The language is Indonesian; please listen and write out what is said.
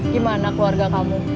gimana keluarga kamu